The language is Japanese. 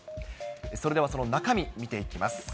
それではその中身、見ていきます。